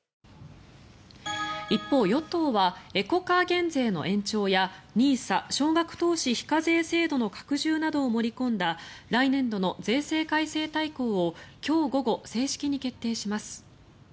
一方、与党はエコカー減税の延長やＮＩＳＡ・少額投資非課税制度の拡充などを盛り込んだ来年度の税制改正大綱を今日午後、正式に決定します。